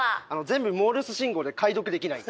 全部モールス信号で解読できない。